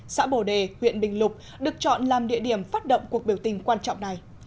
xã bồ đề huyện bình lục được chọn làm địa điểm phát động cuộc biểu tình quan trọng này